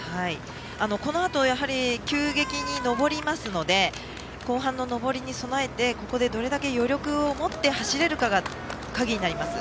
このあと急激に上りますので後半の上りに備えてここでどれだけ余力を持って走れるかが鍵になります。